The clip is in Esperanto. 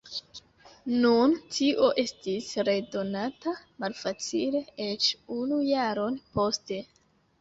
Nun tio estis redonata malfacile, eĉ unu jaron poste.